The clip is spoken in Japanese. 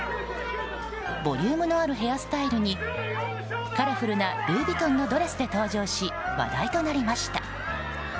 ボリュームのあるヘアスタイルにカラフルなルイ・ヴィトンのドレスで登場し話題になりました。